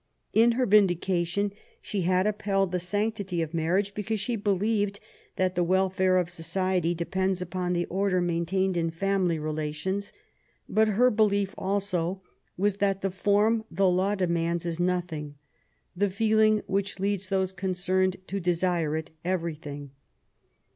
'' In her Vindication she had upheld the sanctity of marriage because she believed that the welfare of society de pends upon the order maintained in family relations; but her belief also was that the form the law demands is nothing, the feeling which leads those concerned to desire it, everything.